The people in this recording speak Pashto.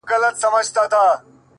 د ارزښتونو ترانه ځي ما يوازي پرېږدي.!